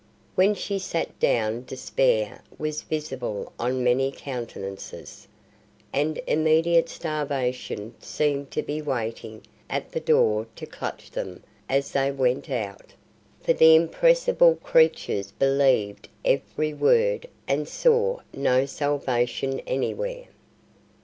When she sat down despair was visible on many countenances, and immediate starvation seemed to be waiting at the door to clutch them as they went out; for the impressible creatures believed every word and saw no salvation anywhere.